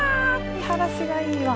見晴らしがいいわ。